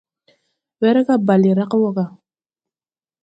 Werga bale rag wɔ ga.